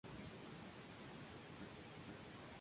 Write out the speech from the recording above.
No es fácil verse, pero me gustó el resultado.